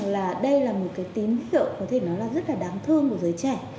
là đây là một cái tín hiệu có thể nói là rất là đáng thương của giới trẻ